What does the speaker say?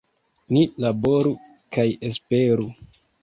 Ni laboru kaj esperu.